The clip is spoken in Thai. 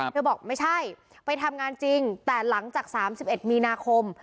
ครับเธอบอกไม่ใช่ไปทำงานจริงแต่หลังจากสามสิบเอ็ดมีนาคม